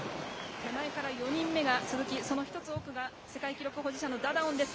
手前から４人目が鈴木、その１つ奥が、世界記録保持者のダダオンです。